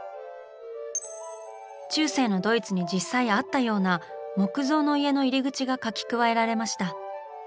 中世のドイツに実際あったような木造の家の入り口が描き加えられました。